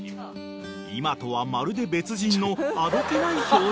［今とはまるで別人のあどけない表情］